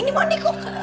ini kudik kok